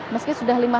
meski sudah lipat